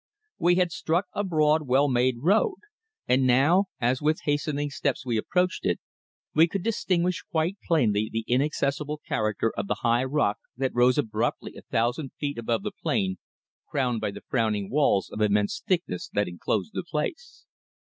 We had struck a broad well made road, and now, as with hastening steps we approached it, we could distinguish quite plainly the inaccessible character of the high rock that rose abruptly a thousand feet above the plain crowned by the frowning walls of immense thickness that enclosed the place.